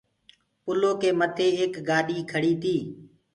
پلوُ ڪي مٿي ايڪ گآڏي کيڙيٚ تيٚ